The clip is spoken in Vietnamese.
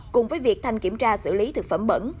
cùng với việc thành kiểm tra xử lý thực phẩm bẩn